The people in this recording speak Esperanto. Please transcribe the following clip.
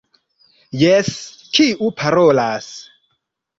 Jes, kiu parolas?